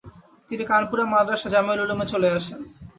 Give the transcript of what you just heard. তিনি কানপুরের মাদ্রাসা জামেউল উলুমে চলে আসেন।